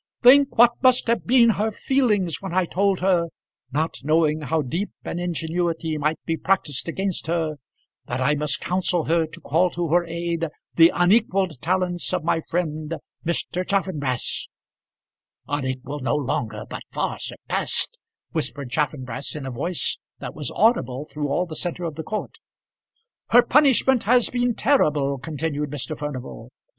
Think what must have been her feelings when I told her, not knowing how deep an ingenuity might be practised against her, that I must counsel her to call to her aid the unequalled talents of my friend Mr. Chaffanbrass" "Unequalled no longer, but far surpassed," whispered Chaffanbrass, in a voice that was audible through all the centre of the court. "Her punishment has been terrible," continued Mr. Furnival.